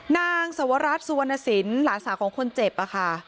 นางสวรัสสุวรรณสินหลานสาวของคนเจ็บค่ะ